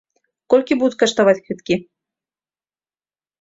Колькі будуць каштаваць квіткі?